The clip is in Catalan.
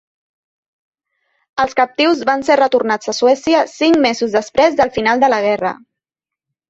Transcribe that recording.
Els captius van ser retornats a Suècia cinc mesos després del final de la guerra.